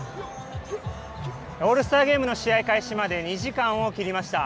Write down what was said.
オールスターゲームの試合開始まで２時間を切りました。